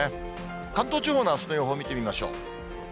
関東地方のあすの予報見てみましょう。